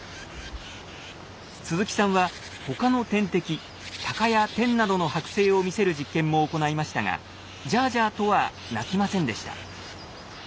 鈴木さんは他の天敵タカやテンなどの剥製を見せる実験も行いましたが「ジャージャー」とは鳴きませんでした。